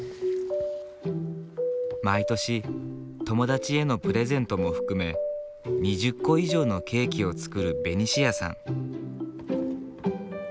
毎年友達へのプレゼントも含め２０個以上のケーキを作るベニシアさん。